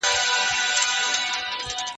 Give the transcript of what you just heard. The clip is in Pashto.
موږ به د پديدو د بيان لپاره يو ميتود وکاروو.